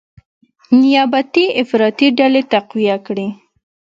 نیابتي افراطي ډلې تقویه کړي،